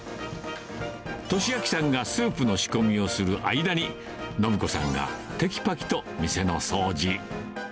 利昭さんがスープの仕込みをする間に、申子さんがてきぱきと店の掃除。